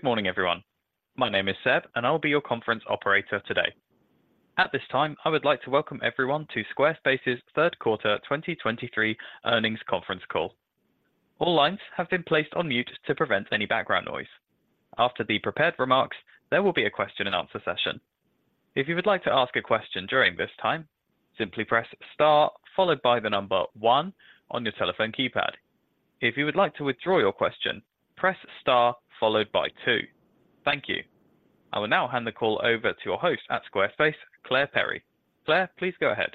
Good morning, everyone. My name is Seb, and I'll be your conference operator today. At this time, I would like to welcome everyone to Squarespace's Q3 2023 Earnings Conference Call. All lines have been placed on mute to prevent any background noise. After the prepared remarks, there will be a question and answer session. If you would like to ask a question during this time, simply press star followed by the number one on your telephone keypad. If you would like to withdraw your question, press star followed by two. Thank you. I will now hand the call over to your host at Squarespace, Clare Perry. Clare, please go ahead.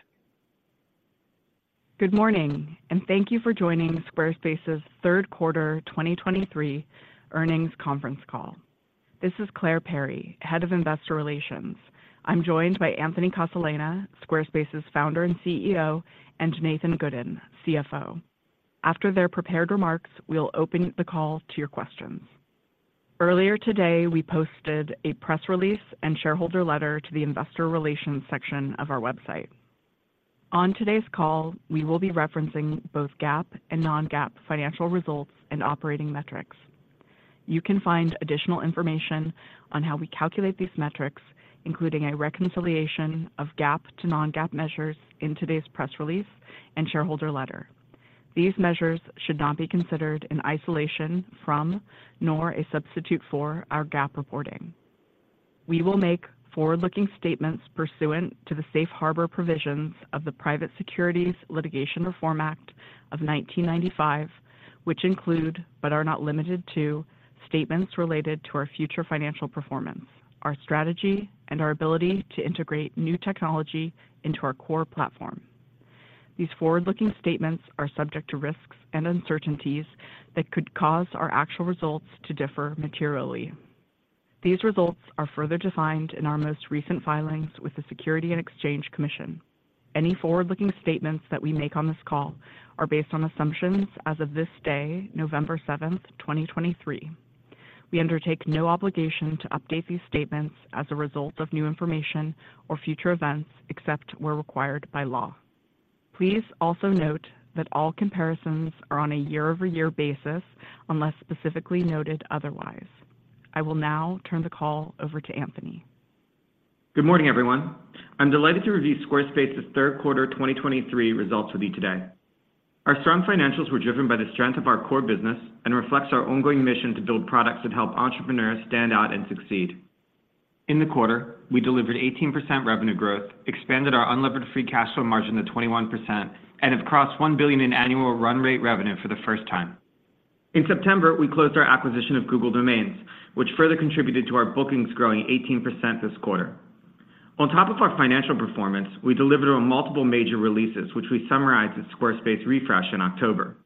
Good morning, and thank you for joining Squarespace's Q3 2023 Earnings Conference Call. This is Clare Perry, Head of Investor Relations. I'm joined by Anthony Casalena, Squarespace's Founder and CEO, and Nathan Gooden, CFO. After their prepared remarks, we'll open the call to your questions. Earlier today, we posted a press release and shareholder letter to the investor relations section of our website. On today's call, we will be referencing both GAAP and non-GAAP financial results and operating metrics. You can find additional information on how we calculate these metrics, including a reconciliation of GAAP to non-GAAP measures in today's press release and shareholder letter. These measures should not be considered in isolation from, nor a substitute for, our GAAP reporting. We will make forward-looking statements pursuant to the Safe Harbor Provisions of the Private Securities Litigation Reform Act of 1995, which include, but are not limited to, statements related to our future financial performance, our strategy, and our ability to integrate new technology into our core platform. These forward-looking statements are subject to risks and uncertainties that could cause our actual results to differ materially. These results are further defined in our most recent filings with the Securities and Exchange Commission. Any forward-looking statements that we make on this call are based on assumptions as of this day, November 7, 2023. We undertake no obligation to update these statements as a result of new information or future events, except where required by law. Please also note that all comparisons are on a YoY basis, unless specifically noted otherwise. I will now turn the call over to Anthony. Good morning, everyone. I'm delighted to review Squarespace's Q3 2023 results with you today. Our strong financials were driven by the strength of our core business and reflects our ongoing mission to build products that help entrepreneurs stand out and succeed. In the quarter, we delivered 18% revenue unlevered free cash flow margin to 21%, and have crossed $1 billion in annual run rate revenue for the first time. In September, we closed our acquisition of Google Domains, which further contributed to our bookings growing 18% this quarter. On top of our financial performance, we delivered on multiple major releases, which we summarized at Squarespace Refresh in October.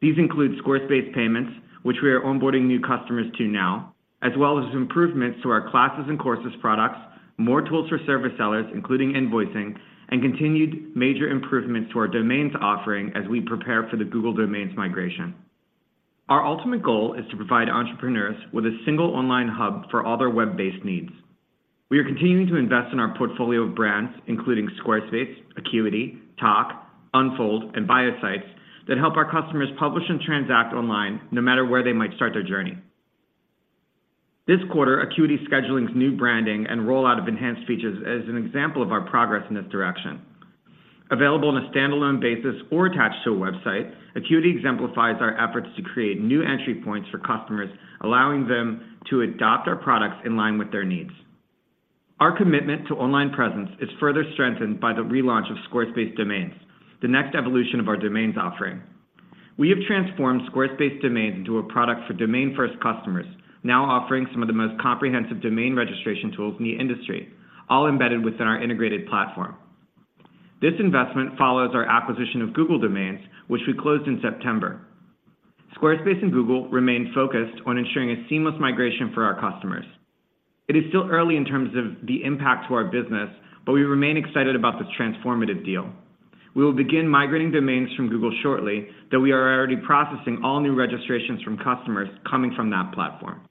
These include Squarespace Payments, which we are onboarding new customers to now, as well as improvements to our classes and courses products, more tools for service sellers, including invoicing, and continued major improvements to our domains offering as we prepare for the Google Domains migration. Our ultimate goal is to provide entrepreneurs with a single online hub for all their web-based needs. We are continuing to invest in our portfolio of brands, including Squarespace, Acuity, Tock, Unfold, and Bio Sites, that help our customers publish and transact online no matter where they might start their journey. This quarter, Acuity Scheduling's new branding and rollout of enhanced features is an example of our progress in this direction. Available on a standalone basis or attached to a website, Acuity exemplifies our efforts to create new entry points for customers, allowing them to adopt our products in line with their needs. Our commitment to online presence is further strengthened by the relaunch of Squarespace Domains, the next evolution of our domains offering. We have transformed Squarespace Domains into a product for domain-first customers, now offering some of the most comprehensive domain registration tools in the industry, all embedded within our integrated platform. This investment follows our acquisition of Google Domains, which we closed in September. Squarespace and Google remain focused on ensuring a seamless migration for our customers. It is still early in terms of the impact to our business, but we remain excited about this transformative deal. We will begin migrating domains from Google shortly, though we are already processing all new registrations from customers coming from that platform.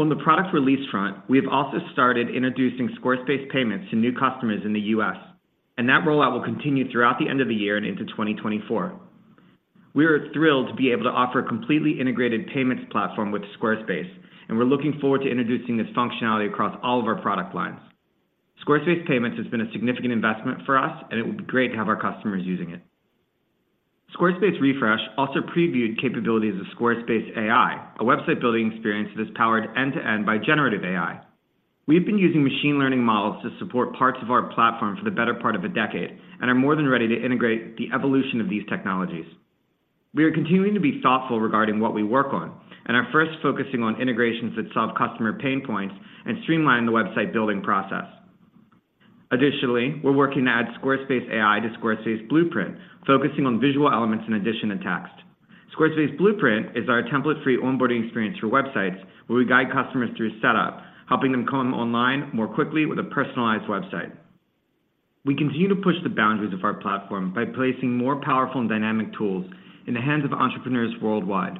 On the product release front, we have also started introducing Squarespace Payments to new customers in the U.S., and that rollout will continue throughout the end of the year and into 2024. We are thrilled to be able to offer a completely integrated payments platform with Squarespace, and we're looking forward to introducing this functionality across all of our product lines. Squarespace Payments has been a significant investment for us, and it will be great to have our customers using it. Squarespace Refresh also previewed capabilities of Squarespace AI, a website building experience that is powered end-to-end by generative AI. We've been using machine learning models to support parts of our platform for the better part of a decade and are more than ready to integrate the evolution of these technologies. We are continuing to be thoughtful regarding what we work on and are first focusing on integrations that solve customer pain points and streamline the website building process. Additionally, we're working to add Squarespace AI to Squarespace Blueprint, focusing on visual elements in addition to text. Squarespace Blueprint is our template-free onboarding experience for websites, where we guide customers through setup, helping them come online more quickly with a personalized website. We continue to push the boundaries of our platform by placing more powerful and dynamic tools in the hands of entrepreneurs worldwide.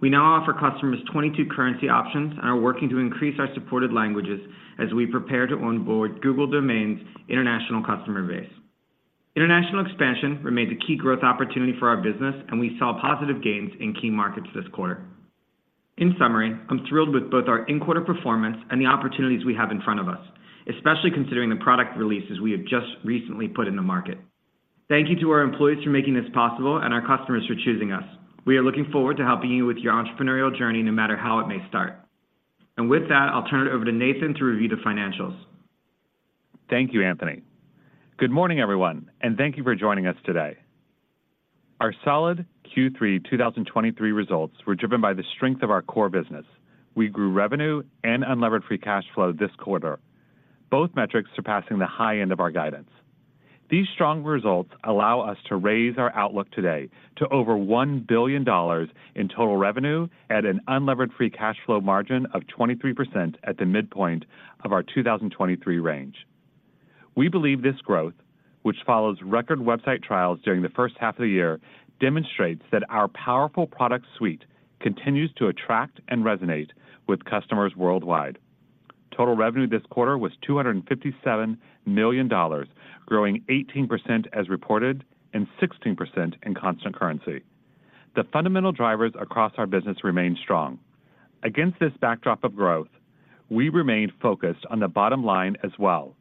We now offer customers 22 currency options and are working to increase our supported languages as we prepare to onboard Google Domains' international customer base. International expansion remained a key growth opportunity for our business, and we saw positive gains in key markets this quarter. In summary, I'm thrilled with both our in-quarter performance and the opportunities we have in front of us, especially considering the product releases we have just recently put in the market. Thank you to our employees for making this possible and our customers for choosing us. We are looking forward to helping you with your entrepreneurial journey, no matter how it may start. With that, I'll turn it over to Nathan to review the financials. Thank you, Anthony. Good morning, everyone, and thank you for joining us today. Our solid Q3 2023 results were driven by the strength of our core business. We unlevered free cash flow this quarter, both metrics surpassing the high end of our guidance. These strong results allow us to raise our outlook today to over $1 billion in total unlevered free cash flow margin of 23% at the midpoint of our 2023 range. We believe this growth, which follows record website trials during the first half of the year, demonstrates that our powerful product suite continues to attract and resonate with customers worldwide. Total revenue this quarter was $257 million, growing 18% as reported and 16% in constant currency. The fundamental drivers across our business remain strong. Against this backdrop of growth, we remained focused on the bottom line as well,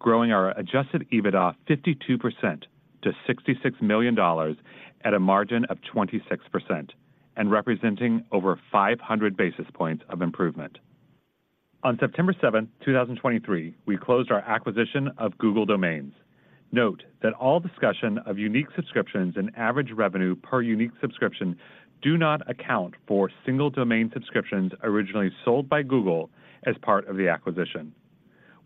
growing our Adjusted EBITDA 52% to $66 million at a margin of 26% and representing over 500 basis points of improvement. On September 7, 2023, we closed our acquisition of Google Domains. Note that all discussion of unique subscriptions and average revenue per unique subscription do not account for single domain subscriptions originally sold by Google as part of the acquisition.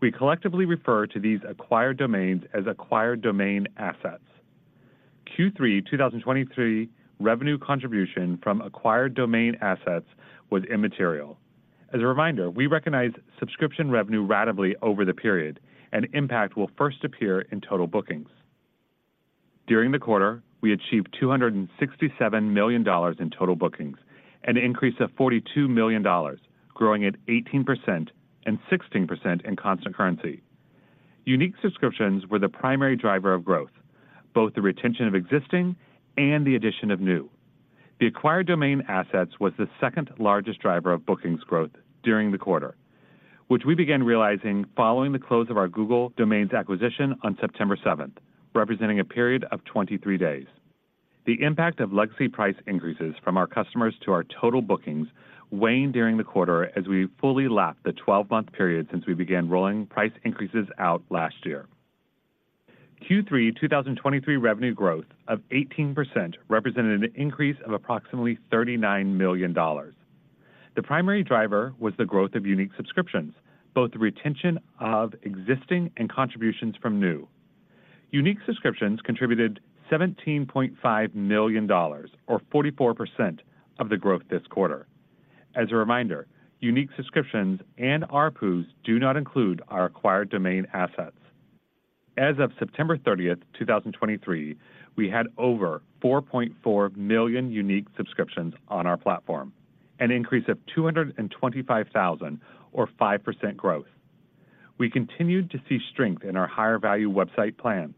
We collectively refer to these acquired domains as Acquired Domain Assets. Q3 2023 revenue contribution from Acquired Domain Assets was immaterial. As a reminder, we recognize subscription revenue ratably over the period, and impact will first appear in total bookings. During the quarter, we achieved $267 million in total bookings, an increase of $42 million, growing at 18% and 16% in constant currency. unique subscriptions were the primary driver of growth, both the retention of existing and the addition of new. The Acquired Domain Assets was the second-largest driver of bookings growth during the quarter, which we began realizing following the close of our Google Domains acquisition on September 7, representing a period of 23 days. The impact of legacy price increases from our customers to our total bookings waned during the quarter as we fully lapped the 12-month period since we began rolling price increases out last year. Q3 2023 revenue growth of 18% represented an increase of approximately $39 million. The primary driver was the growth of unique subscriptions, both the retention of existing and contributions from new. unique subscriptions contributed $17.5 million, or 44% of the growth this quarter. As a reminder, unique subscriptions and ARPUs do not include our Acquired Domain Assets. As of September 30, 2023, we had over 4.4 million unique subscriptions on our platform, an increase of 225,000 or 5% growth. We continued to see strength in our higher-value website plans,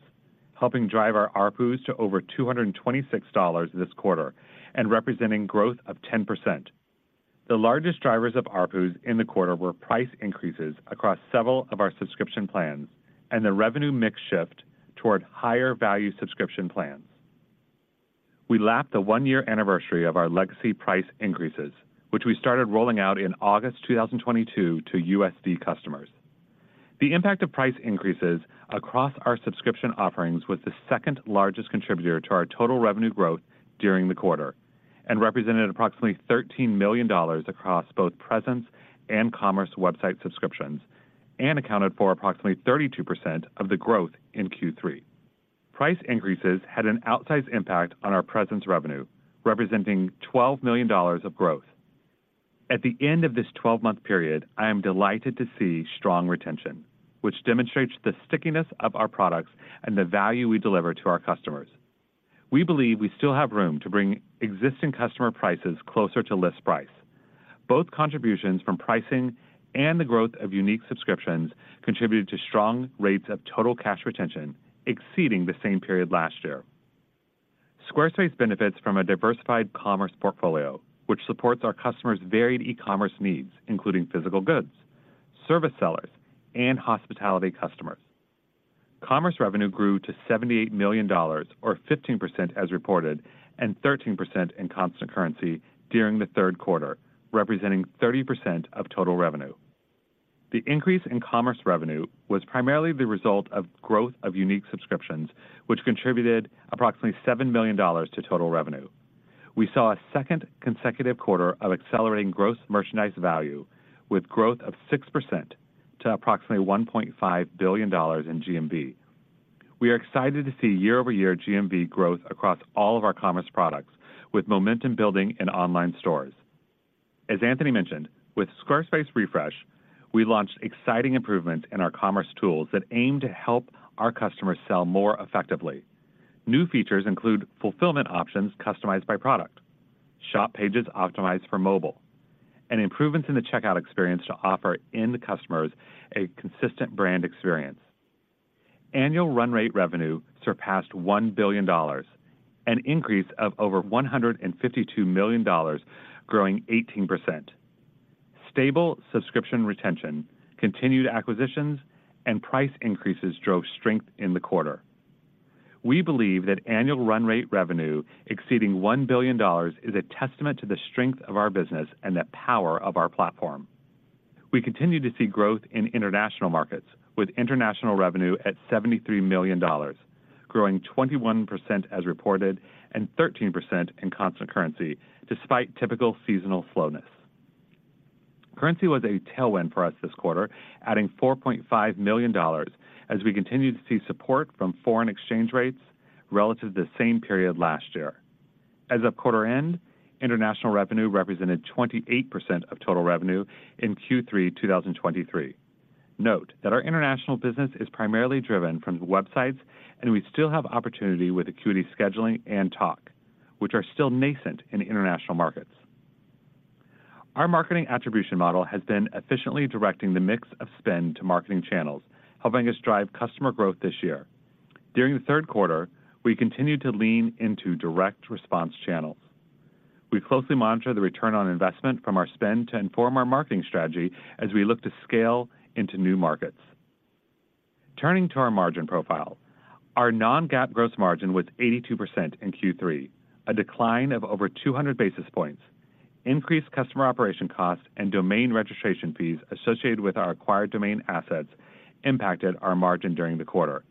helping drive our ARPUs to over $226 this quarter and representing growth of 10%. The largest drivers of ARPUs in the quarter were price increases across several of our subscription plans and the revenue mix shift toward higher-value subscription plans. We lapped the one-year anniversary of our legacy price increases, which we started rolling out in August 2022 to USD customers. The impact of price increases across our subscription offerings was the second-largest contributor to our total revenue growth during the quarter and represented approximately $13 million across both Presence and Commerce website subscriptions and accounted for approximately 32% of the growth in Q3. Price increases had an outsized impact on our Presence revenue, representing $12 million of growth. At the end of this 12-month period, I am delighted to see strong retention, which demonstrates the stickiness of our products and the value we deliver to our customers. We believe we still have room to bring existing customer prices closer to list price. Both contributions from pricing and the growth of unique subscriptions contributed to strong rates of total cash retention exceeding the same period last year. Squarespace benefits from a diversified commerce portfolio, which supports our customers' varied e-commerce needs, including physical goods, service sellers, and hospitality customers. Commerce revenue grew to $78 million, or 15% as reported and 13% in constant currency during the Q3, representing 30% of total revenue. The increase in commerce revenue was primarily the result of growth of unique subscriptions, which contributed approximately $7 million to total revenue. We saw a second consecutive quarter of accelerating gross merchandise value with growth of 6% to approximately $1.5 billion in GMV. We are excited to see YoY GMV growth across all of our commerce products, with momentum building in online stores. As Anthony mentioned, with Squarespace Refresh, we launched exciting improvements in our commerce tools that aim to help our customers sell more effectively. New features include fulfillment options customized by product. shop pages optimized for mobile, and improvements in the checkout experience to offer end customers a consistent brand experience. Annual run rate revenue surpassed $1 billion, an increase of over $152 million, growing 18%. Stable subscription retention, continued acquisitions, and price increases drove strength in the quarter. We believe that annual run rate revenue exceeding $1 billion is a testament to the strength of our business and the power of our platform. We continue to see growth in international markets, with international revenue at $73 million, growing 21% as reported and 13% in constant currency, despite typical seasonal slowness. Currency was a tailwind for us this quarter, adding $4.5 million as we continue to see support from foreign exchange rates relative to the same period last year. As of quarter end, international revenue represented 28% of total revenue in Q3 2023. Note that our international business is primarily driven from the websites, and we still have opportunity with Acuity Scheduling and Tock, which are still nascent in international markets. Our marketing attribution model has been efficiently directing the mix of spend to marketing channels, helping us drive customer growth this year. During the Q3, we continued to lean into direct response channels. We closely monitor the return on investment from our spend to inform our marketing strategy as we look to scale into new markets. Turning to our margin profile, our non-GAAP gross margin was 82% in Q3, a decline of over 200 basis points. Increased customer operation costs and domain registration fees associated with our acquired domain assets impacted our margin during the quarter.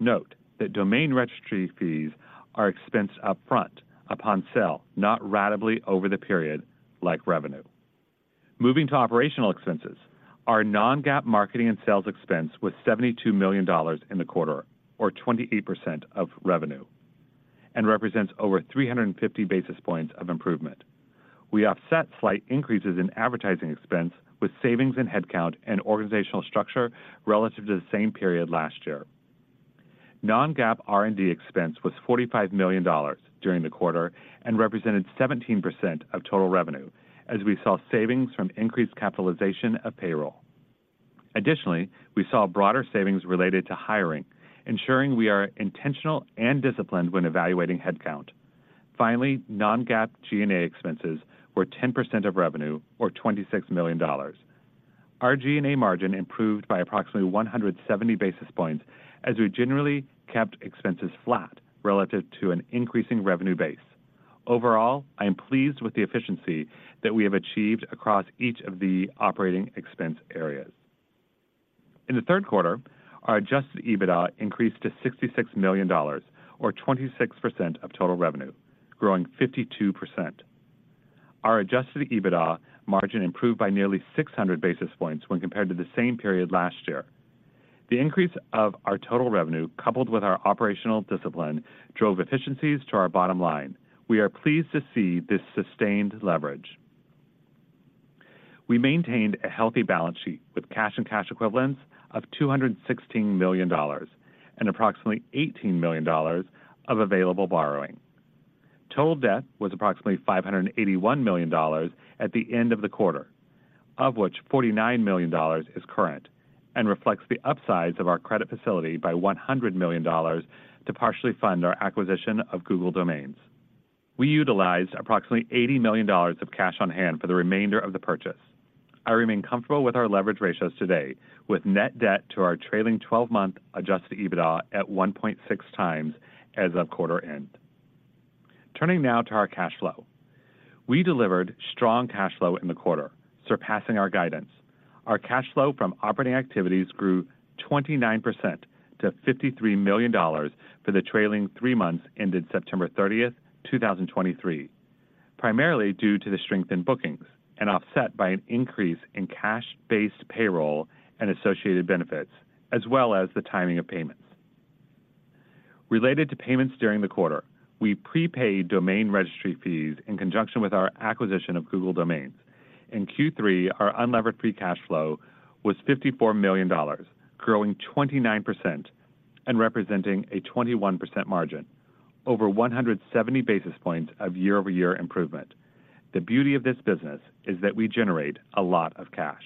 Note that domain registry fees are expensed upfront upon sale, not ratably over the period like revenue. Moving to operational expenses, our non-GAAP marketing and sales expense was $72 million in the quarter, or 28% of revenue, and represents over 350 basis points of improvement. We offset slight increases in advertising expense with savings in headcount and organizational structure relative to the same period last year. Non-GAAP R&D expense was $45 million during the quarter and represented 17% of total revenue as we saw savings from increased capitalization of payroll. Additionally, we saw broader savings related to hiring, ensuring we are intentional and disciplined when evaluating headcount. Finally, non-GAAP G&A expenses were 10% of revenue or $26 million. Our G&A margin improved by approximately 170 basis points as we generally kept expenses flat relative to an increasing revenue base. Overall, I am pleased with the efficiency that we have achieved across each of the operating expense areas. In the Q3, our Adjusted EBITDA increased to $66 million, or 26% of total revenue, growing 52%. Our Adjusted EBITDA margin improved by nearly 600 basis points when compared to the same period last year. The increase of our total revenue, coupled with our operational discipline, drove efficiencies to our bottom line. We are pleased to see this sustained leverage. We maintained a healthy balance sheet with cash and cash equivalents of $216 million and approximately $18 million of available borrowing. Total debt was approximately $581 million at the end of the quarter, of which $49 million is current and reflects the upsides of our credit facility by $100 million to partially fund our acquisition of Google Domains. We utilized approximately $80 million of cash on hand for the remainder of the purchase. I remain comfortable with our leverage ratios today, with net debt to our trailing twelve-month Adjusted EBITDA at 1.6 times as of quarter end. Turning now to our cash flow. We delivered strong cash flow in the quarter, surpassing our guidance. Our cash flow from operating activities grew 29% to $53 million for the trailing three months ended September 30, 2023, primarily due to the strength in bookings and offset by an increase in cash-based payroll and associated benefits, as well as the timing of payments. Related to payments during the quarter, we prepaid domain registry fees in conjunction with our acquisition of Google Domains. unlevered free cash flow was $54 million, growing 29% and representing a 21% margin, over 170 basis points of YoY improvement. The beauty of this business is that we generate a lot of cash.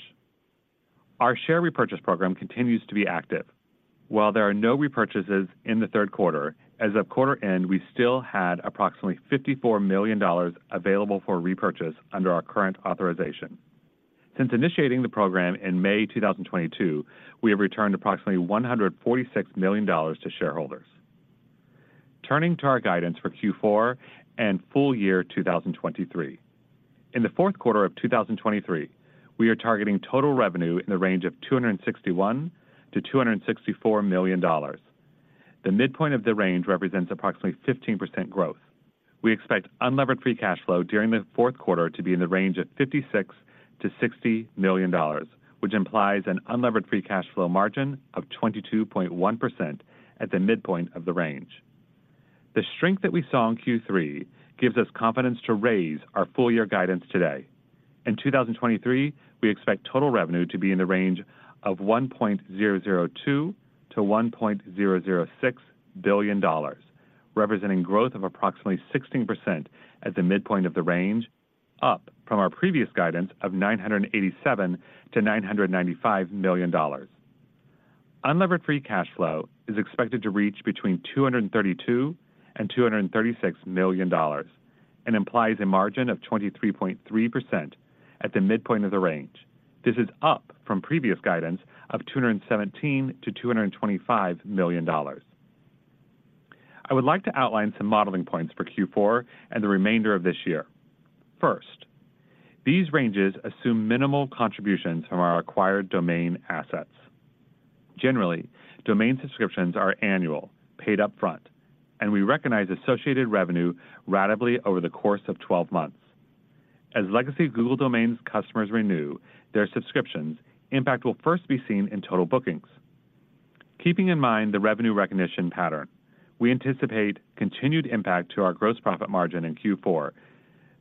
Our share repurchase program continues to be active. While there are no repurchases in the Q3, as of quarter end, we still had approximately $54 million available for repurchase under our current authorization. Since initiating the program in May 2022, we have returned approximately $146 million to shareholders. Turning to our guidance for Q4 and full year 2023. In the Q4 of 2023, we are targeting total revenue in the range of $261 million-$264 million. The midpoint of the range represents approximately 15% unlevered free cash flow during the q4 to be in the range of $56 million-$60 million, unlevered free cash flow margin of 22.1% at the midpoint of the range. The strength that we saw in Q3 gives us confidence to raise our full year guidance today. In 2023, we expect total revenue to be in the range of $1.002 billion-$1.006 billion, representing growth of approximately 16% at the midpoint of the range, up from our previous guidance of unlevered free cash flow is expected to reach between $232 million and $236 million and implies a margin of 23.3% at the midpoint of the range. This is up from previous guidance of $217 million-$225 million. I would like to outline some modeling points for Q4 and the remainder of this year. First, these ranges assume minimal contributions from our acquired domain assets. Generally, domain subscriptions are annual, paid upfront, and we recognize associated revenue ratably over the course of 12 months. As legacy Google Domains customers renew their subscriptions, impact will first be seen in total bookings. Keeping in mind the revenue recognition pattern, we anticipate continued impact to our gross profit margin in Q4,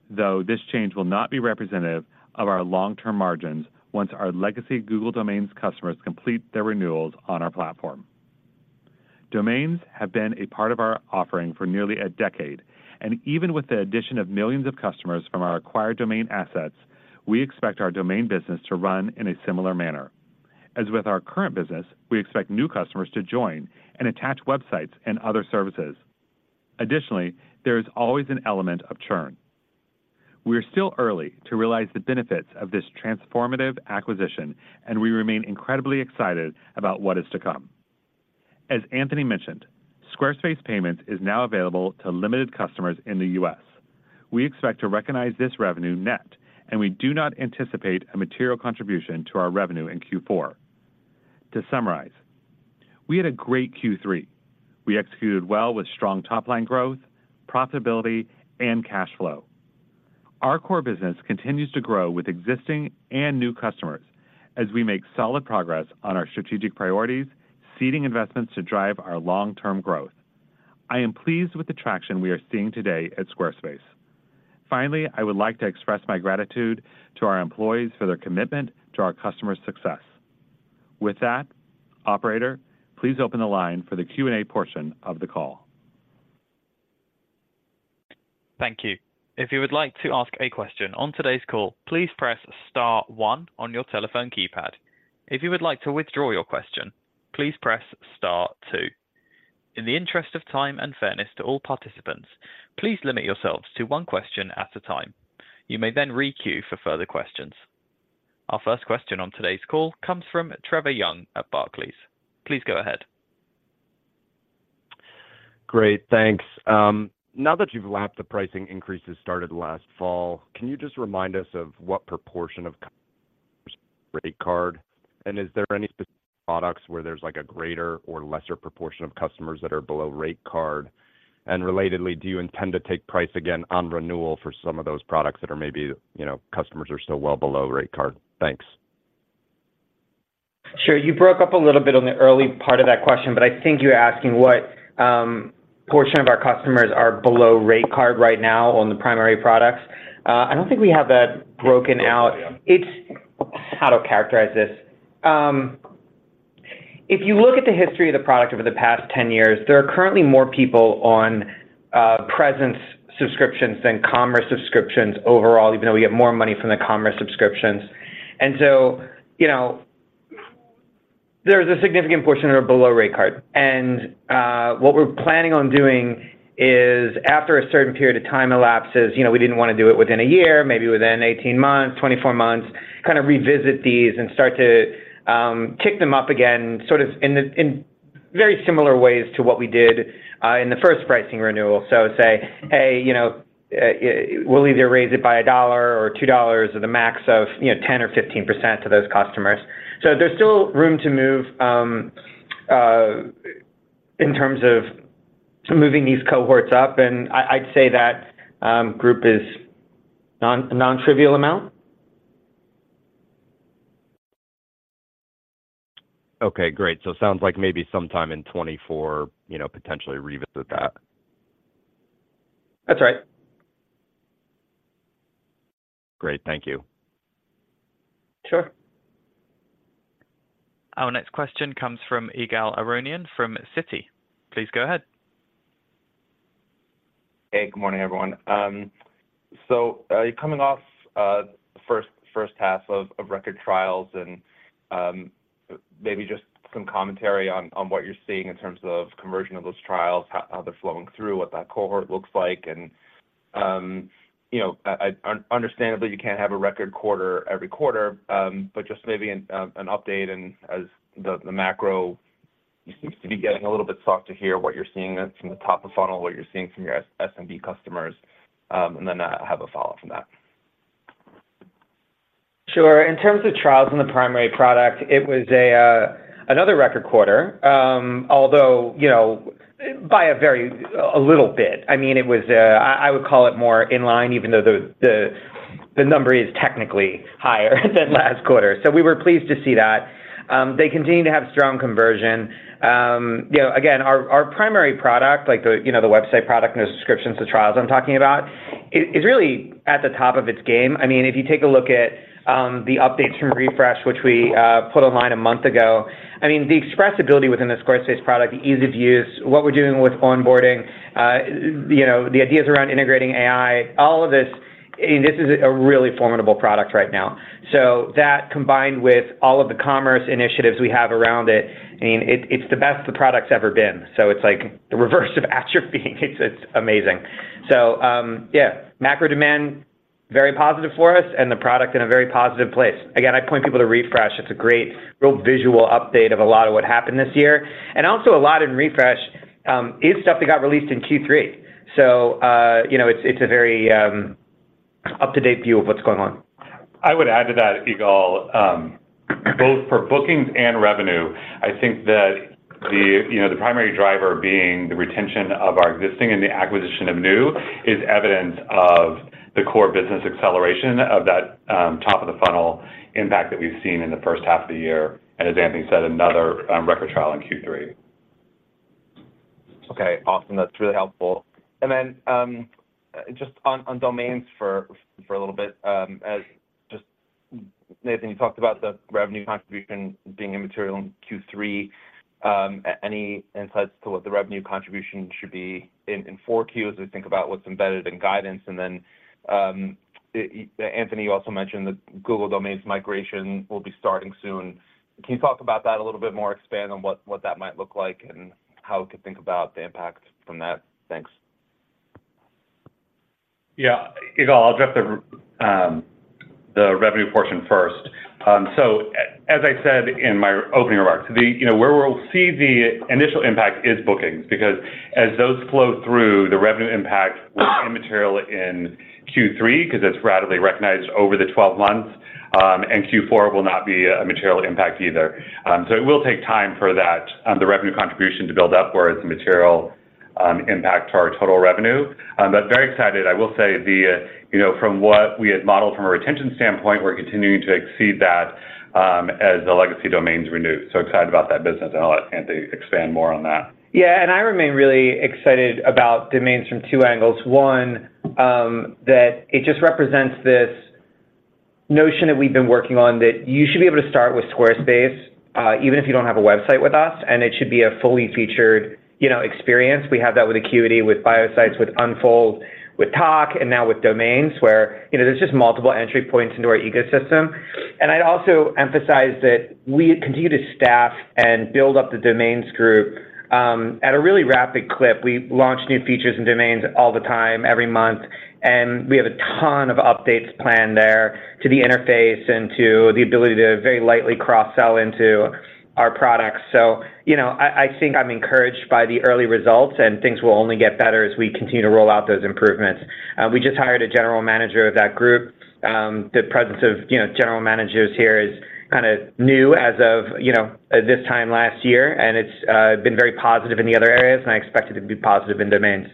though this change will not be representative of our long-term margins once our legacy Google Domains customers complete their renewals on our platform. Domains have been a part of our offering for nearly a decade, and even with the addition of millions of customers from our acquired domain assets, we expect our domain business to run in a similar manner. As with our current business, we expect new customers to join and attach websites and other services. Additionally, there is always an element of churn. We are still early to realize the benefits of this transformative acquisition, and we remain incredibly excited about what is to come. As Anthony mentioned, Squarespace Payments is now available to limited customers in the U.S. We expect to recognize this revenue net, and we do not anticipate a material contribution to our revenue in Q4. To summarize, we had a great Q3. We executed well with strong top-line growth, profitability, and cash flow. Our core business continues to grow with existing and new customers as we make solid progress on our strategic priorities, seeding investments to drive our long-term growth. I am pleased with the traction we are seeing today at Squarespace. Finally, I would like to express my gratitude to our employees for their commitment to our customers' success. With that, operator, please open the line for the Q&A portion of the call. Thank you. If you would like to ask a question on today's call, please press star one on your telephone keypad. If you would like to withdraw your question, please press star two. In the interest of time and fairness to all participants, please limit yourselves to one question at a time. You may then re-queue for further questions. Our first question on today's call comes from Trevor Young at Barclays. Please go ahead. Great, thanks. Now that you've lapped the pricing increases started last fall, can you just remind us of what proportion of rate card? And is there any specific products where there's a greater or lesser proportion of customers that are below rate card? And relatedly, do you intend to take price again on renewal for some of those products that are maybe, you know, customers are still well below rate card? Thanks. Sure. You broke up a little bit on the early part of that question, but I think you're asking what portion of our customers are below rate card right now on the primary products. I don't think we have that broken out. Yeah. It's-How to characterize this? If you look at the history of the product over the past 10 years, there are currently more people on presence subscriptions than commerce subscriptions overall, even though we get more money from the commerce subscriptions. And so, you know, there's a significant portion that are below rate card. And what we're planning on doing is, after a certain period of time elapses, you know, we didn't want to do it within a year, maybe within 18 months, 24 months, kind of revisit these and start to kick them up again, sort of in very similar ways to what we did in the first pricing renewal. So say, hey, you know, we'll either raise it by $1 or $2 or the max of, you know, 10% or 15% to those customers. So there's still room to move in terms of moving these cohorts up, and I'd say that group is non-trivial amount. Okay, great. So it sounds like maybe sometime in 2024, you know, potentially revisit that. That's right. Great. Thank you. Sure. Our next question comes from Ygal Arounian from Citi. Please go ahead. Hey, good morning, everyone. So, coming off the first half of record trials and maybe just some commentary on what you're seeing in terms of conversion of those trials, how they're flowing through, what that cohort looks like. You know, understandably, you can't have a record quarter every quarter, but just maybe an update and as the macro seems to be getting a little bit softer to hear what you're seeing from the top of funnel, what you're seeing from your SMB customers, and then I have a follow-up from that. Sure. In terms of trials in the primary product, it was another record quarter, although, you know, by a very little bit. I mean, it was I would call it more in line, even though the number is technically higher than last quarter. So we were pleased to see that-They continue to have strong conversion. You know, again, our primary product, like the website product, no subscriptions to trials I'm talking about, is really at the top of its game. I mean, if you take a look at the updates from Refresh, which we put online a month ago, I mean, the expressibility within the Squarespace product, the ease of use, what we're doing with onboarding, you know, the ideas around integrating AI, all of this, and this is a really formidable product right now. So that combined with all of the commerce initiatives we have around it, I mean, it, it's the best the product's ever been. So it's like the reverse of atrophy. It's amazing. So, yeah, macro demand, very positive for us and the product in a very positive place. Again, I point people to Refresh. It's a great real visual update of a lot of what happened this year. And also a lot in Refresh is stuff that got released in Q3. You know, it's a very up-to-date view of what's going on. I would add to that, Ygal, both for bookings and revenue, I think that the, you know, the primary driver being the retention of our existing and the acquisition of new, is evidence of the core business acceleration of that, top of the funnel impact that we've seen in the first half of the year, and as Anthony said, another, record trial in Q3. Okay, awesome. That's really helpful. And then, just on domains for a little bit, Nathan, you talked about the revenue contribution being immaterial in Q3. Any insights to what the revenue contribution should be in Q4 as we think about what's embedded in guidance? And then, Anthony, you also mentioned that Google Domains migration will be starting soon. Can you talk about that a little bit more, expand on what that might look like, and how to think about the impact from that? Thanks. Yeah. Ygal, I'll address the, the revenue portion first. So as I said in my opening remarks, the, you know, where we'll see the initial impact is bookings, because as those flow through, the revenue impact will be immaterial in Q3, because it's ratably recognized over the 12 months, and Q4 will not be a material impact either. So it will take time for that, the revenue contribution to build up where it's a material, impact to our total revenue. But very excited. I will say the, you know, from what we had modeled from a retention standpoint, we're continuing to exceed that, as the legacy domains renew. So excited about that business, and I'll let Anthony expand more on that. Yeah, and I remain really excited about domains from two angles. One, that it just represents this notion that we've been working on, that you should be able to start with Squarespace, even if you don't have a website with us, and it should be a fully featured, you know, experience. We have that with Acuity, with Bio Sites, with Unfold, with Tock, and now with Domains, where, you know, there's just multiple entry points into our ecosystem. And I'd also emphasize that we continue to staff and build up the domains group, at a really rapid clip. We launch new features and domains all the time, every month, and we have a ton of updates planned there to the interface and to the ability to very lightly cross-sell into our products. So, you know, I think I'm encouraged by the early results, and things will only get better as we continue to roll out those improvements. We just hired a general manager of that group. The presence of, you know, general managers here is kinda new as of, you know, this time last year, and it's been very positive in the other areas, and I expect it to be positive in domains.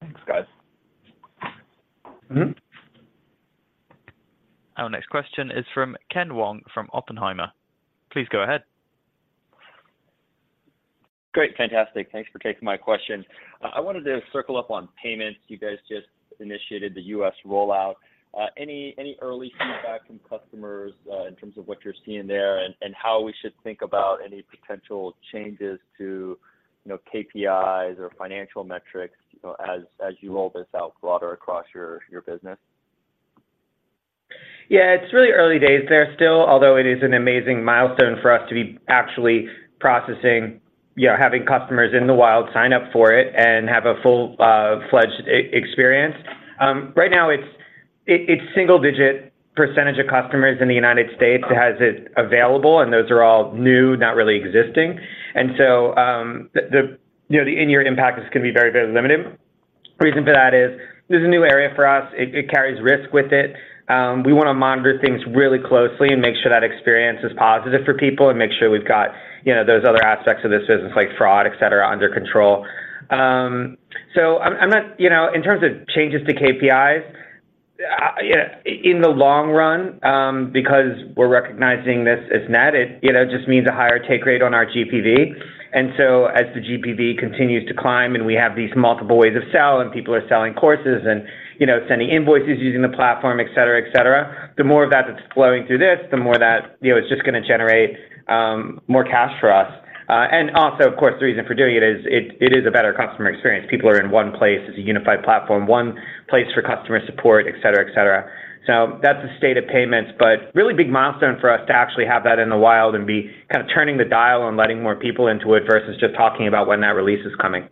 Thanks, guys. Mm-hmm. Our next question is from Ken Wong, from Oppenheimer. Please go ahead. Great, fantastic. Thanks for taking my question. I wanted to circle up on payments. You guys just initiated the U.S. rollout. Any early feedback from customers in terms of what you're seeing there, and how we should think about any potential changes to, you know, KPIs or financial metrics, you know, as you roll this out broader across your business? Yeah, it's really early days there still, although it is an amazing milestone for us to be actually processing... Yeah, having customers in the wild sign up for it and have a full-fledged e-commerce experience. Right now, it's single-digit percentage of customers in the United States that has it available, and those are all new, not really existing. And so, you know, the in-year impact is gonna be very, very limited. Reason for that is, this is a new area for us. It carries risk with it. We wanna monitor things really closely and make sure that experience is positive for people, and make sure we've got, you know, those other aspects of this business, like fraud, et cetera, under control. So I'm not, you know, in terms of changes to KPIs, in the long run, because we're recognizing this as net, it, you know, just means a higher take rate on our GPV. And so as the GPV continues to climb, and we have these multiple ways of sell, and people are selling courses and, you know, sending invoices using the platform, et cetera, et cetera, the more of that that's flowing through this, the more that, you know, it's just gonna generate more cash for us. And also, of course, the reason for doing it is, it is a better customer experience. People are in one place. It's a unified platform, one place for customer support, et cetera, et cetera. So that's the state of payments, but really big milestone for us to actually have that in the wild and be kind of turning the dial and letting more people into it, versus just talking about when that release is coming.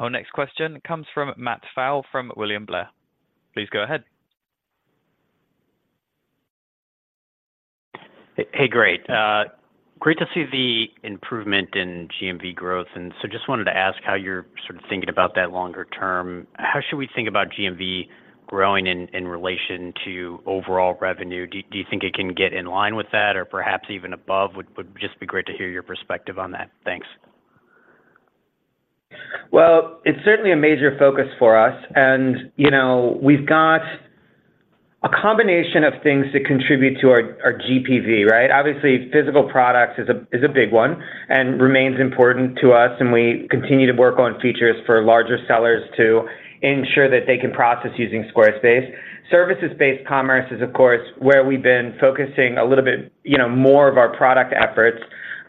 Our next question comes from Matt Pfau, from William Blair. Please go ahead. Hey, great. Great to see the improvement in GMV growth, and so just wanted to ask how you're thinking about that longer term. How should we think about GMV growing in relation to overall revenue? Do you think it can get in line with that or perhaps even above? Would just be great to hear your perspective on that. Thanks. Well, it's certainly a major focus for us, and, you know, we've got a combination of things that contribute to our, our GPV, right? Obviously, physical products is a, is a big one, and remains important to us, and we continue to work on features for larger sellers to ensure that they can process using Squarespace. Services-based commerce is, of course, where we've been focusing a little bit, you know, more of our product efforts.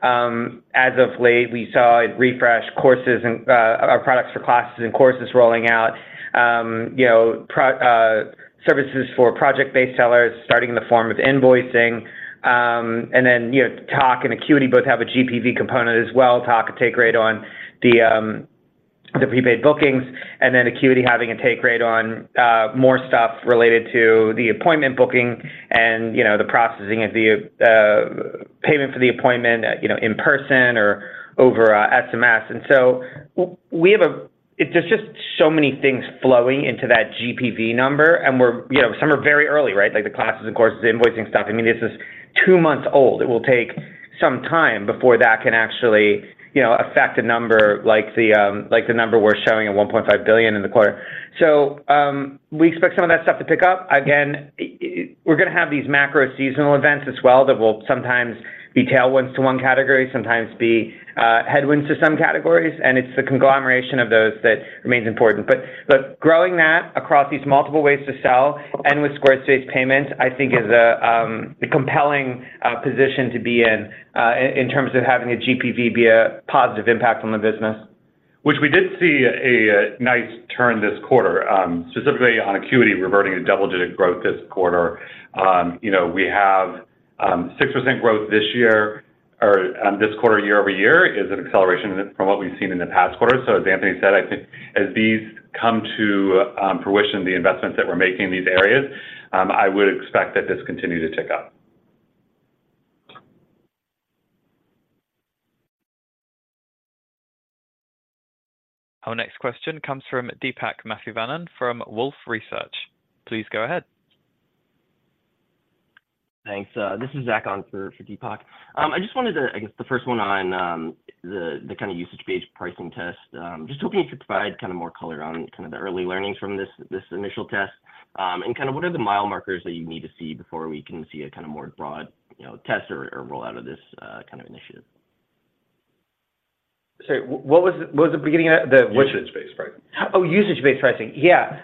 As of late, we saw it Refresh courses and our products for classes and courses rolling out. You know, pro services for project-based sellers starting in the form of invoicing. And then, you know, Tock and Acuity both have a GPV component as well. Talk take rate on the prepaid bookings, and then Acuity having a take rate on more stuff related to the appointment booking and, you know, the processing of the payment for the appointment, you know, in person or over SMS. And so we have. There's just so many things flowing into that GPV number, and we're, you know, some are very early, right? Like, the classes and courses, the invoicing stuff, I mean, this is two months old. It will take some time before that can actually, you know, affect a number like the number we're showing at $1.5 billion in the quarter. So, we expect some of that stuff to pick up. Again, we're gonna have these macro seasonal events as well, that will sometimes be tailwinds to one category, sometimes be headwinds to some categories, and it's the conglomeration of those that remains important. But growing that across these multiple ways to sell and with Squarespace Payments, I think is a compelling position to be in, in terms of having a GPV be a positive impact on the business. Which we did see a nice turn this quarter, specifically on Acuity, reverting to double-digit growth this quarter. You know, we have 6% growth this year, or this quarter, YoY, is an acceleration from what we've seen in the past quarter. So as Anthony said, I think as these come to fruition, the investments that we're making in these areas, I would expect that this continue to tick up. Our next question comes from Deepak Mathivanan from Wolfe Research. Please go ahead. Thanks. This is Zach on for Deepak. I just wanted to, the first one on the kind of usage-based pricing test. Just hoping you could provide kind of more color on kind of the early learnings from this initial test. And kind of what are the mile markers that you need to see before we can see a kind of more broad, you know, test or roll out of this kind of initiative? Sorry, what was the, what was the beginning of that? Usage-based pricing. Oh, usage-based pricing. Yeah.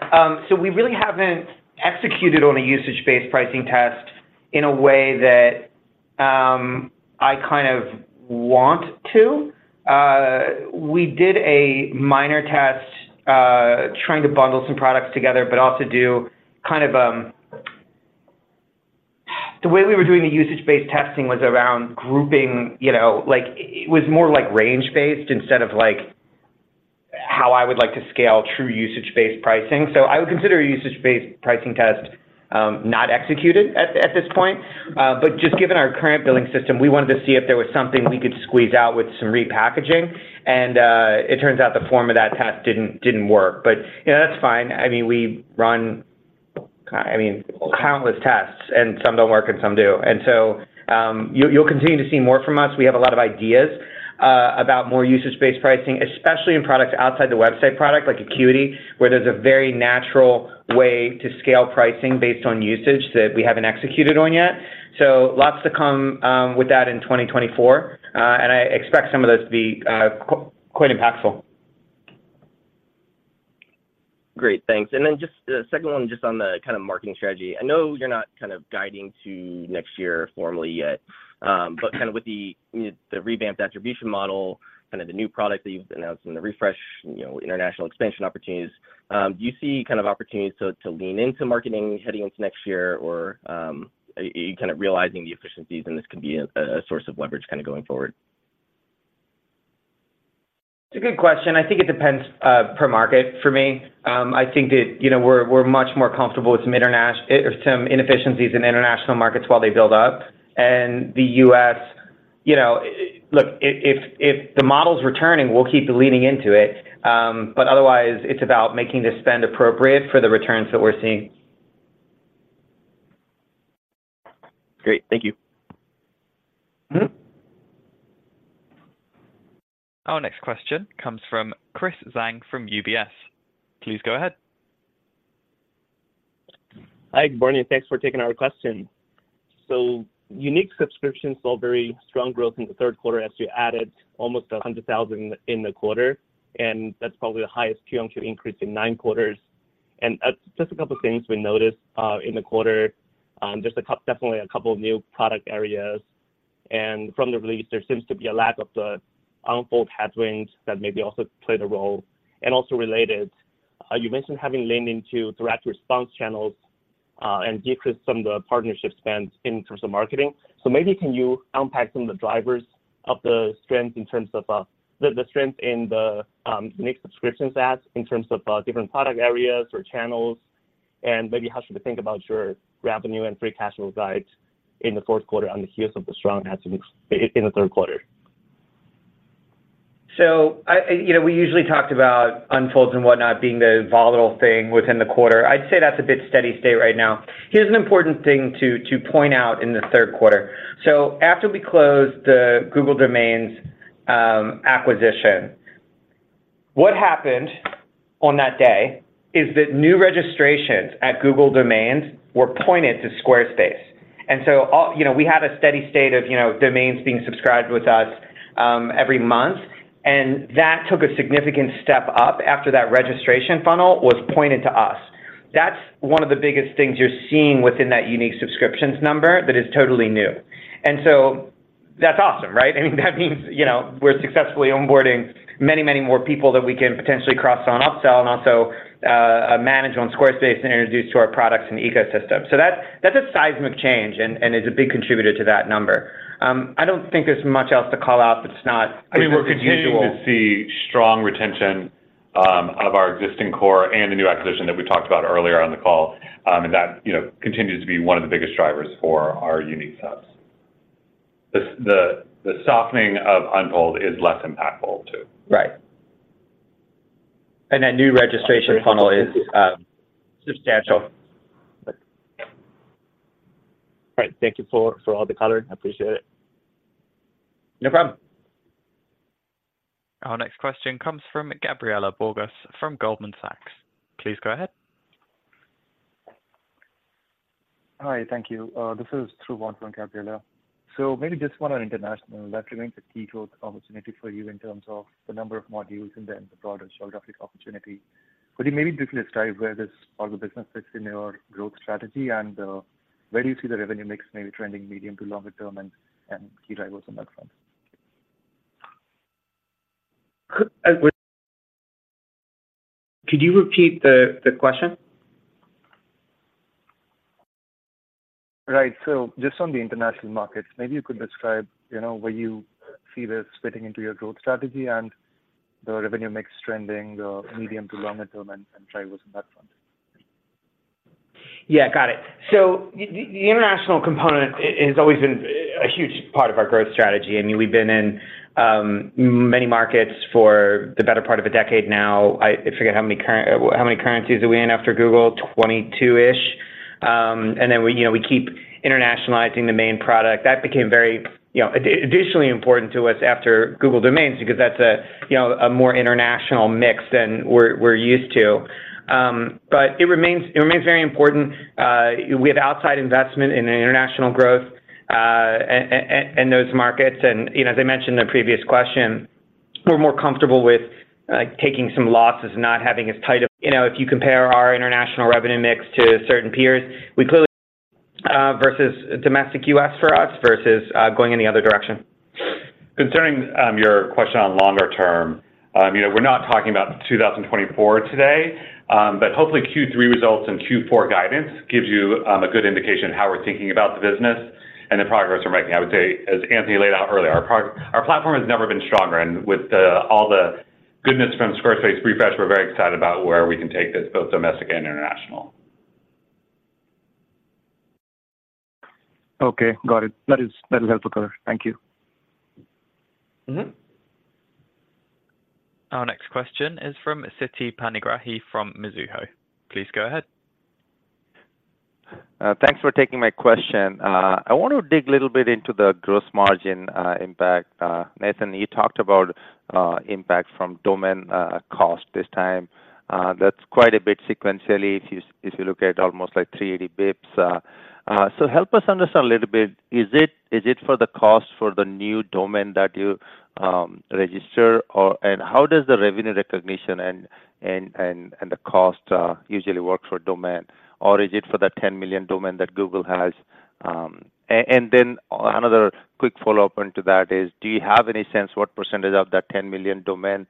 So we really haven't executed on a usage-based pricing test in a way that I kind of want to. We did a minor test trying to bundle some products together, but also do kind of. The way we were doing the usage-based testing was around grouping, you know, like, it was more like range-based instead of like, how I would like to scale true usage-based pricing. So I would consider a usage-based pricing test not executed at this point, but just given our current billing system, we wanted to see if there was something we could squeeze out with some repackaging. And it turns out the form of that test didn't work, but, you know, that's fine. I mean, we run, I mean, countless tests, and some don't work and some do. And so, you, you'll continue to see more from us. We have a lot of ideas about more usage-based pricing, especially in products outside the website product, like Acuity, where there's a very natural way to scale pricing based on usage that we haven't executed on yet. So lots to come with that in 2024, and I expect some of those to be quite impactful. Great, thanks. And then just the second one, just on the kind of marketing strategy. I know you're not kind of guiding to next year formally yet, but kind of with the revamped attribution model, kind of the new product that you've announced and the refresh, you know, international expansion opportunities, do you see kind of opportunities to lean into marketing heading into next year? Or, are you kind of realizing the efficiencies, and this can be a source of leverage kind of going forward? It's a good question. I think it depends per market for me. I think that, you know, we're much more comfortable with some inefficiencies in international markets while they build up. The U.S., you know, look, if the model's returning, we'll keep leaning into it, but otherwise, it's about making the spend appropriate for the returns that we're seeing. Great. Thank you. Mm-hmm. Our next question comes from Chris Zhang from UBS. Please go ahead. Hi, Anthony, thanks for taking our question. So unique subscriptions saw very strong growth in the Q3 as you added almost 100,000 in the quarter, and that's probably the highest Q2 increase in nine quarters. And just a couple of things we noticed in the quarter. Definitely a couple of new product areas, and from the release, there seems to be a lack of the Unfold headwinds that maybe also played a role. And also related, you mentioned having leaned into direct response channels and decreased some of the partnership spends in terms of marketing. So maybe can you unpack some of the drivers of the strength in terms of the strength in the unique subscriptions ads in terms of different product areas or channels? And maybe how should we think about your revenue and free cash flow guides in the Q4 on the heels of the strong assets in the Q3? So I, you know, we usually talked about Unfold and whatnot being the volatile thing within the quarter. I'd say that's a bit steady state right now. Here's an important thing to point out in the Q3. So after we closed the Google Domains acquisition, what happened on that day is that new registrations at Google Domains were pointed to Squarespace. And so all, you know, we had a steady state of, you know, domains being subscribed with us every month, and that took a significant step up after that registration funnel was pointed to us. That's one of the biggest things you're seeing within that unique subscriptions number that is totally new. And so that's awesome, right? I mean, that means, you know, we're successfully onboarding many, many more people that we can potentially cross on upsell and also, manage on Squarespace and introduce to our products and ecosystem. So that's a seismic change and is a big contributor to that number. I don't think there's much else to call out that's not- I mean, we're continuing to see strong retention of our existing core and the new acquisition that we talked about earlier on the call, and that, you know, continues to be one of the biggest drivers for our unique subs. The softening of Unfold is less impactful, too. Right. And that new registration funnel is substantial. All right. Thank you for all the color. I appreciate it. No problem. Our next question comes from Gabriela Borges from Goldman Sachs. Please go ahead. Hi, thank you. This is Gabriela. So maybe just one on international. That remains a key growth opportunity for you in terms of the number of modules and then the broader geographic opportunity. Could you maybe briefly describe where this, all the business fits in your growth strategy, and where do you see the revenue mix maybe trending medium to longer term and key drivers on that front? Could you repeat the question? Right. So just on the international markets, maybe you could describe, you know, where you see this fitting into your growth strategy and the revenue mix trending, medium to longer term and drivers in that front? Yeah, got it. So the international component has always been a huge part of our growth strategy. I mean, we've been in many markets for the better part of a decade now. I forget how many currencies are we in after Google, 22-ish. And then we, you know, we keep internationalizing the main product. That became very, you know, additionally important to us after Google Domains, because that's a, you know, a more international mix than we're used to. But it remains, it remains very important. We have outside investment in international growth, and those markets. And, you know, as I mentioned in the previous question, we're more comfortable with taking some losses, not having as tight of... You know, if you compare our international revenue mix to certain peers, we clearly, versus domestic U.S. for us, versus, going in the other direction. Concerning your question on longer term, you know, we're not talking about 2024 today, but hopefully Q3 results and Q4 guidance gives you a good indication of how we're thinking about the business and the progress we're making. I would say, as Anthony laid out earlier, our platform has never been stronger, and with all the goodness from Squarespace Refresh, we're very excited about where we can take this, both domestic and international. Okay, got it. That is, that is helpful. Thank you. Mm-hmm. Our next question is from Siti Panigrahi from Mizuho. Please go ahead. Thanks for taking my question. I want to dig a little bit into the gross margin impact. Nathan, you talked about impact from domain cost this time. That's quite a bit sequentially, if you look at almost like 300 basis points. So help us understand a little bit, is it for the cost for the new domain that you register or- And how does the revenue recognition and the cost usually work for domain, or is it for that 10 million domain that Google has? And then another quick follow-up into that is, do you have any sense what percentage of that 10 million domain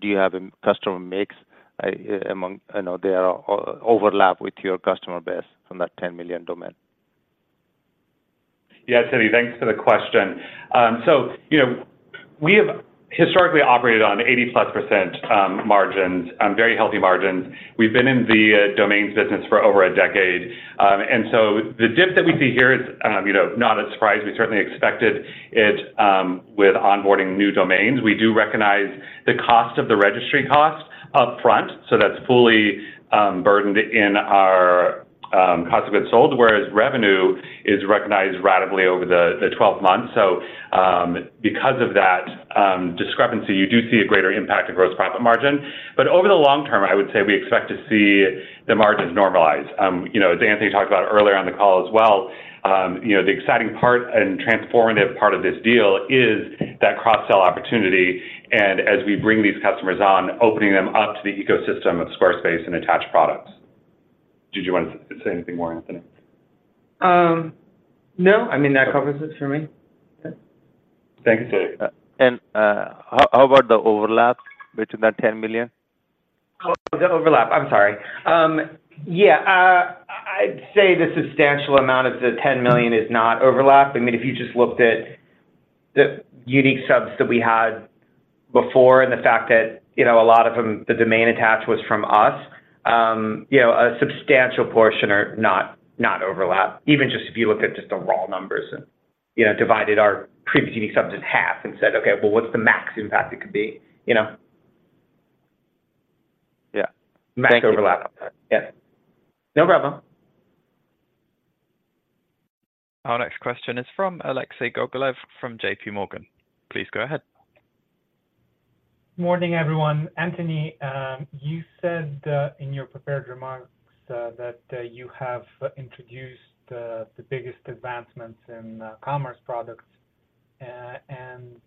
do you have in customer mix, among, you know, their overlap with your customer base from that 10 million domain? Yeah, Siti, thanks for the question. So, you know, we have historically operated on 80%+ margins, very healthy margins. We've been in the domains business for over a decade. And so the dip that we see here is, you know, not a surprise. We certainly expected it, with onboarding new domains. We do recognize the cost of the registry cost upfront, so that's fully burdened in our cost of goods sold, whereas revenue is recognized ratably over the 12 months. So, because of that discrepancy, you do see a greater impact to gross profit margin. But over the long term, I would say we expect to see the margins normalize. You know, as Anthony talked about earlier on the call as well, you know, the exciting part and transformative part of this deal is that cross-sell opportunity, and as we bring these customers on, opening them up to the ecosystem of Squarespace and attached products. Did you want to say anything more, Anthony? No, I mean, that covers it for me. Thanks, Siti. How about the overlap between that 10 million? Oh, the overlap. I'm sorry. Yeah, I'd say the substantial amount of the 10 million is not overlap. I mean, if you just looked at the unique subs that we had before, and the fact that, you know, a lot of them, the domain attached was from us, you know, a substantial portion are not, not overlap. Even just if you look at just the raw numbers and, you know, divided our previous subs in half and said, "Okay, well, what's the max impact it could be?" You know? Yeah. Thank you. Max overlap. Yeah. No problem. Our next question is from Alexei Gogolev from JPMorgan. Please go ahead. Morning, everyone. Anthony, you said in your prepared remarks that you have introduced the biggest advancements in commerce products and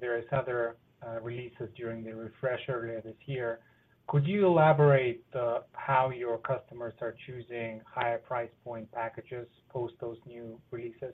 various other releases during the refresh earlier this year. Could you elaborate how your customers are choosing higher price point packages post those new releases?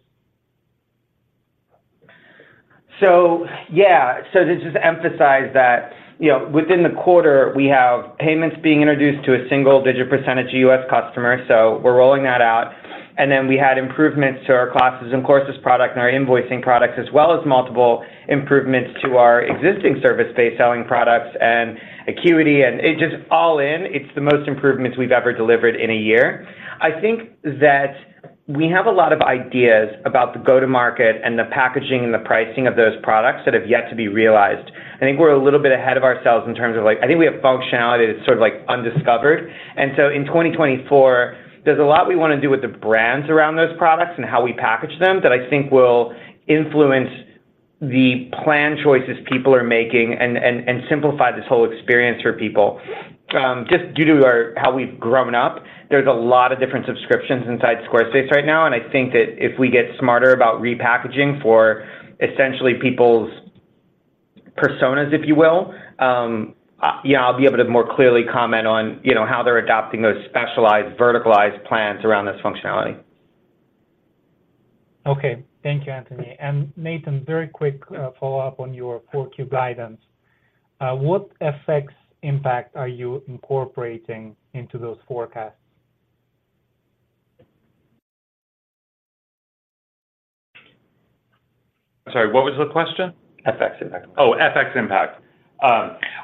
So, yeah. So to just emphasize that, you know, within the quarter, we have payments being introduced to a single-digit % of U.S. customers, so we're rolling that out. And then we had improvements to our classes and courses product and our invoicing products, as well as multiple improvements to our existing service-based selling products and Acuity, and it's just all in. It's the most improvements we've ever delivered in a year. I think that we have a lot of ideas about the go-to-market and the packaging and the pricing of those products that have yet to be realized. I think we're a little bit ahead of ourselves in terms of, like, I think we have functionality that's sort of, like, undiscovered. And so in 2024, there's a lot we want to do with the brands around those products and how we package them, that I think will influence the plan choices people are making and simplify this whole experience for people. Just due to how we've grown up, there's a lot of different subscriptions inside Squarespace right now, and I think that if we get smarter about repackaging for essentially people's personas, if you will, yeah, I'll be able to more clearly comment on, you know, how they're adopting those specialized, verticalized plans around this functionality. Okay. Thank you, Anthony. And Nathan, very quick follow-up on your Q4 guidance. What effects impact are you incorporating into those forecasts? Sorry, what was the question? FX impact. Oh, FX impact.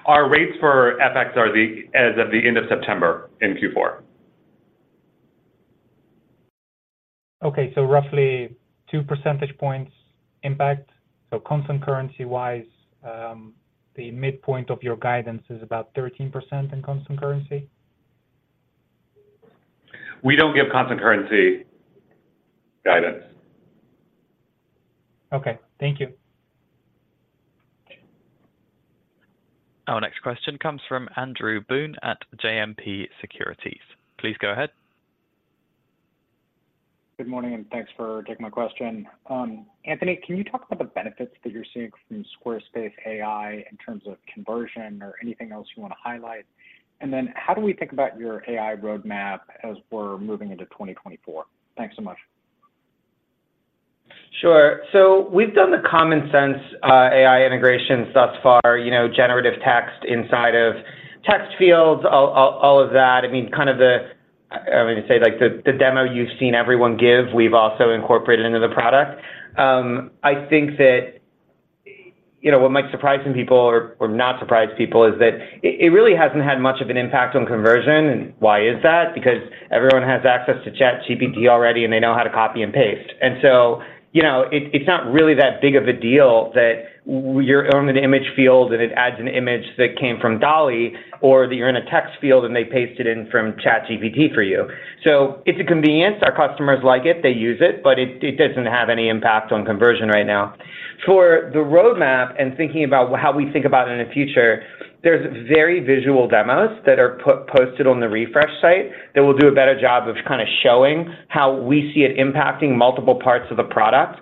Our rates for FX are as of the end of September in Q4. Okay, so roughly 2 percentage points impact. So constant currency-wise, the midpoint of your guidance is about 13% in constant currency? We don't give constant currency guidance. Okay, thank you. Our next question comes from Andrew Boone at JMP Securities. Please go ahead. Good morning, and thanks for taking my question. Anthony, can you talk about the benefits that you're seeing from Squarespace AI in terms of conversion or anything else you want to highlight? And then how do we think about your AI roadmap as we're moving into 2024? Thanks so much. Sure. So we've done the common sense, AI integrations thus far, you know, generative text inside of text fields, all, all, all of that. I mean, kind of the, I would say, like, the, the demo you've seen everyone give, we've also incorporated into the product. I think that, you know, what might surprise some people or, or not surprise people is that it, it really hasn't had much of an impact on conversion. And why is that? Because everyone has access to ChatGPT already, and they know how to copy and paste. And so, you know, it, it's not really that big of a deal that you're on an image field, and it adds an image that came from DALL-E, or that you're in a text field, and they paste it in from ChatGPT for you. So it's a convenience. Our customers like it, they use it, but it doesn't have any impact on conversion right now. For the roadmap and thinking about how we think about it in the future, there's very visual demos that are posted on the Refresh site that will do a better job of kind of showing how we see it impacting multiple parts of the product,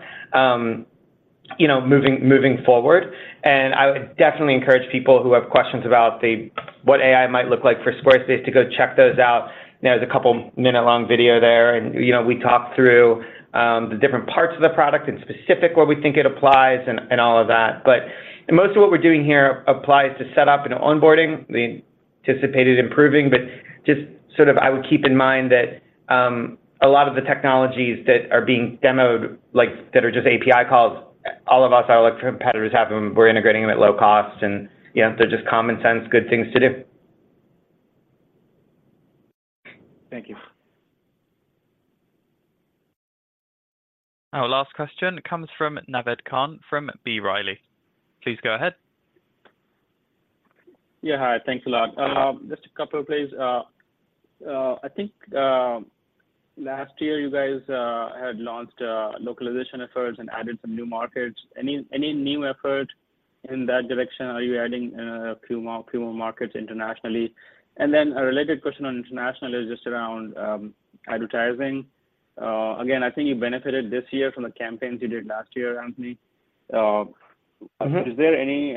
you know, moving forward. I would definitely encourage people who have questions about the, what AI might look like for Squarespace to go check those out. There's a couple-minute-long video there, and, you know, we talk through the different parts of the product and specific where we think it applies and all of that. But most of what we're doing here applies to setup and onboarding we anticipated improving, but just sort of I would keep in mind that, a lot of the technologies that are being demoed, like, that are just API calls, all of us, our competitors have them, we're integrating them at low cost, and, you know, they're just common sense, good things to do. Thank you. Our last question comes from Naved Khan, from B. Riley. Please go ahead. Yeah, hi. Thanks a lot. Just a couple, please. I think last year you guys had launched localization efforts and added some new markets. Any new effort in that direction? Are you adding a few more markets internationally? And then a related question on international is just around advertising. Again, I think you benefited this year from the campaigns you did last year, Anthony. Mm-hmm. Is there any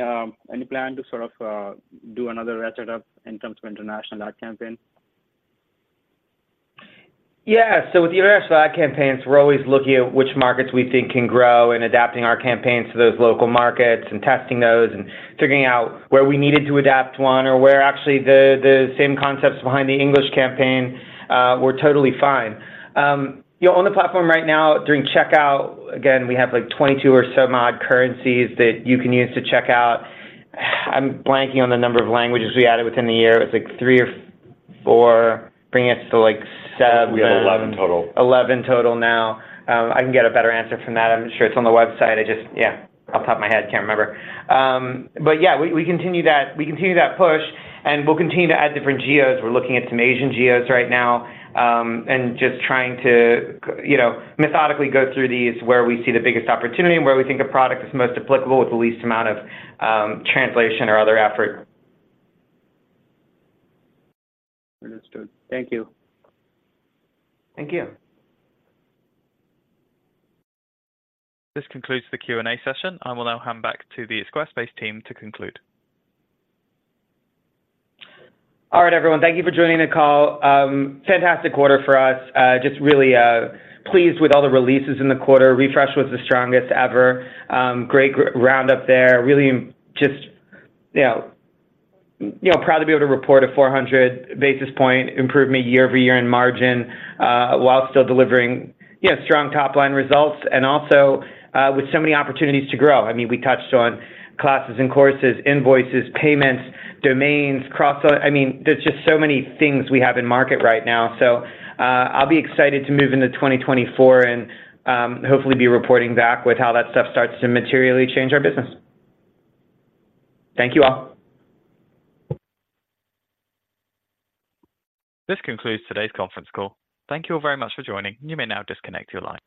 plan to sort of do another ratchet up in terms of international ad campaign? Yeah, so with the international ad campaigns, we're always looking at which markets we think can grow and adapting our campaigns to those local markets and testing those, and figuring out where we needed to adapt one or where actually the same concepts behind the English campaign were totally fine. You know, on the platform right now, during checkout, again, we have like 22 or so odd currencies that you can use to check out. I'm blanking on the number of languages we added within the year. It's like three or four, bringing us to, like, seven. We have 11 total. 11 total now. I can get a better answer from that. I'm sure it's on the website. I just-Yeah, off top of my head, can't remember. But yeah, we, we continue that, we continue that push, and we'll continue to add different geos. We're looking at some Asian geos right now, and just trying to, you know, methodically go through these where we see the biggest opportunity and where we think a product is most applicable with the least amount of, translation or other effort. Understood. Thank you. Thank you. This concludes the Q&A session. I will now hand back to the Squarespace team to conclude. All right, everyone, thank you for joining the call. Fantastic quarter for us. Just really, pleased with all the releases in the quarter. Refresh was the strongest ever. Great round up there. Really just, you know, you know, proud to be able to report a 400 basis point improvement YoY in margin, while still delivering, yeah, strong top-line results, and also, with so many opportunities to grow. I mean, we touched on classes and courses, invoices, payments, domains, cross-sell. I mean, there's just so many things we have in market right now. So, I'll be excited to move into 2024 and, hopefully be reporting back with how that stuff starts to materially change our business. Thank you all. This concludes today's conference call. Thank you all very much for joining. You may now disconnect your line.